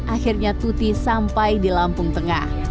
akhirnya tuti sampai di lampung tengah